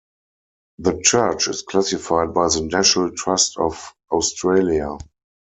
The church is classified by the National Trust of Australia.